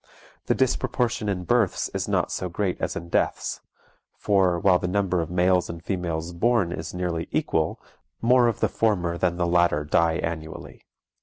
The disproportion in births is not so great as in deaths; for, while the number of males and females born is nearly equal, more of the former than the latter die annually.